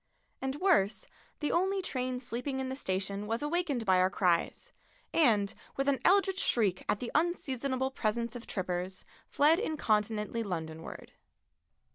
And worse, the only train sleeping in the station was awakened by our cries, and, with an eldritch shriek at the unseasonable presence of trippers, fled incontinently Londonward.